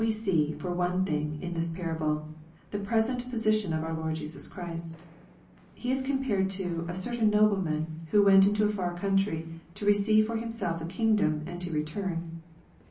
We see, for one thing, in this parable, the present po^ aition of our Lord Jesus Christ. He is compared to '^ a certain nobleman, who went into a far country, to re ceive for himself a kingdom, and to return."